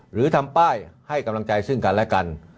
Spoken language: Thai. หรือทำป้ายให้กำลังใจซึ่งกันและกัน